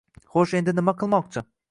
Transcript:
xo'sh endi nima qilmoqchi?